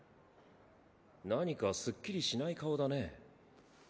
何かすっきりしない顔だね。